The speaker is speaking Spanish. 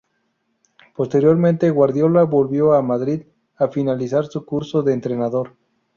Posteriormente, Guardiola volvió a Madrid a finalizar su curso de entrenador.